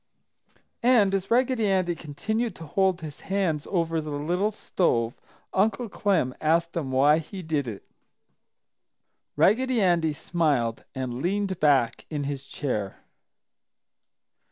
And as Raggedy Andy continued to hold his hands over the little stove, Uncle Clem asked him why he did it. Raggedy Andy smiled and leaned back in his chair.